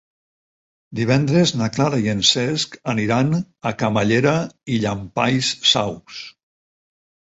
Divendres na Clara i en Cesc aniran a Camallera i Llampaies Saus.